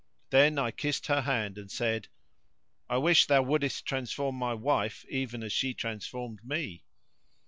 Then I kissed her hand and said, "I wish thou wouldest transform my wife even as she transformed me."